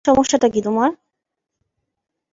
সমস্যাটা কী তোমার?